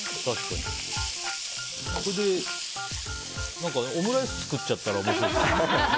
何かオムライス作っちゃったら面白いですね。